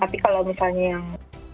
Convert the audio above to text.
tapi kalau misalnya yang